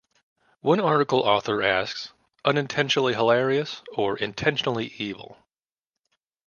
One article author asks, unintentionally hilarious or intentionally evil?